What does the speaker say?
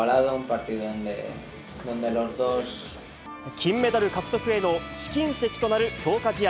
金メダル獲得への試金石となる強化試合。